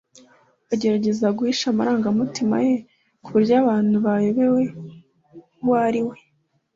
agerageza guhisha amarangamutima ye ku buryo abantu bayoberwa uwo ari we